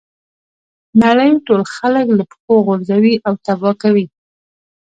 نړۍ ټول خلک له پښو غورځوي او تباه کوي.